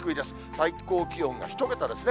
最高気温が１桁ですね。